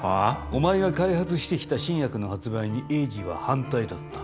お前が開発してきた新薬の発売に栄治は反対だった。